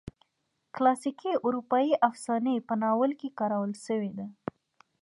کلاسیکي اروپایي افسانې په ناول کې کارول شوي دي.